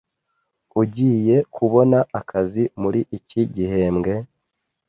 Ugiye kubona akazi muri iki gihembwe?